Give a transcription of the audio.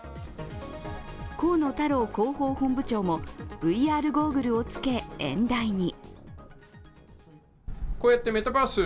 河野太郎広報本部長もＶＲゴーグルを着け演台に。